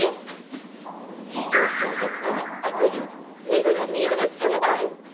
「自称小説家の悪女目黒澪の正体！」